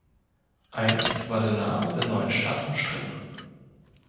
Einst war der Name der neuen Stadt umstritten.